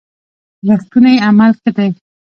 رښتوني عمل ښه دی.